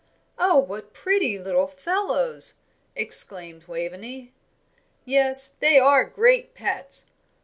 "Oh, what pretty little fellows!" exclaimed Waveney. "Yes, they are great pets.